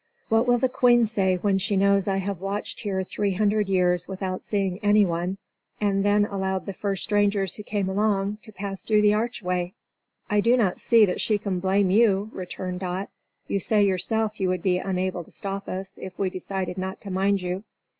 What will the Queen say when she knows I have watched here three hundred years without seeing anyone, and then allowed the first strangers who came along to pass through the archway?" "I do not see that she can blame you," returned Dot. "You say yourself you would be unable to stop us if we decided not to mind you.